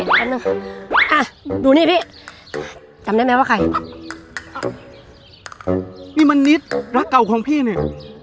อ่ะดูนี่พี่จำได้ไหมว่าใครนี่มันนิดรักเก่าของพี่นี่